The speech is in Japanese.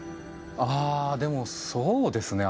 あでもそうですね